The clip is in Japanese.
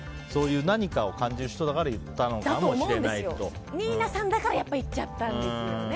何かを感じる人だから新名さんだから言っちゃったんですよね。